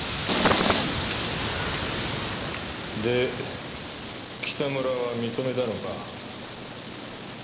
で北村は認めたのか？